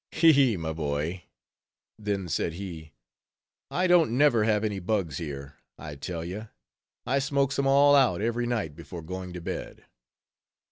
"He, he, my boy," then said he—"I don't never have any bugs here, I tell ye: I smokes 'em all out every night before going to bed."